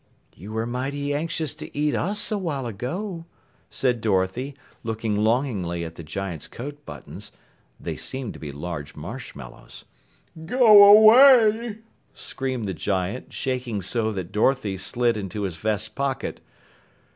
"You were mighty anxious to eat us a while ago," said Dorothy, looking longingly at the giant's coat buttons. They seemed to be large marshmallows. "Go away!" screamed the giant, shaking so that Dorothy slid into his vest pocket.